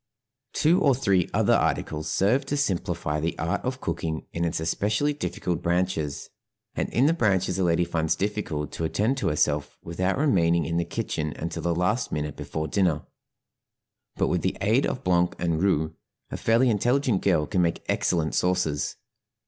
Two or three other articles serve to simplify the art of cooking in its especially difficult branches, and in the branches a lady finds difficult to attend to herself without remaining in the kitchen until the last minute before dinner; but with the aid of blanc and roux a fairly intelligent girl can make excellent sauces.